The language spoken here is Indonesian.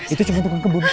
itu cuma tukang kebun